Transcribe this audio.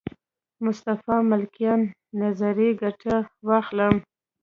مصطفی ملکیان نظریې ګټه واخلم.